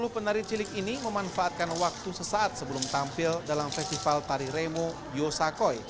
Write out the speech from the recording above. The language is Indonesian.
sepuluh penari cilik ini memanfaatkan waktu sesaat sebelum tampil dalam festival tari remo yosakoi